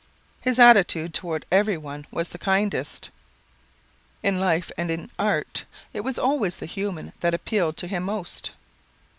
His attitude toward everyone was the kindest. In live and in art it was always the human that appealed to him most.